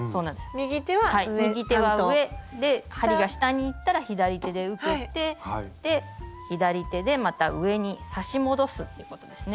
右手は上で針が下にいったら左手で受けて左手でまた上に刺し戻すっていうことですね。